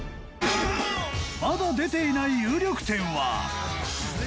まだ出ていない有力店は